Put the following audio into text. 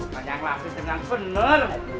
banyak lagi dengan bener